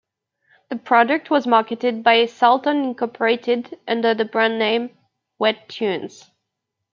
The product was marketed by Salton Incorporated under the brand name "Wet Tunes".